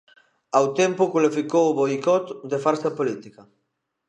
Ao tempo, cualificou o boicot de farsa política.